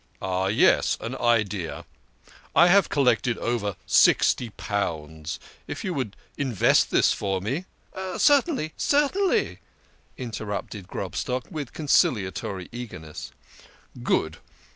" Ah, yes, an idea ! I have collected over sixty pounds. If you would invest this for me " "Certainly, certainly," interrupted Grobstock, with con ciliatory eagerness. " Good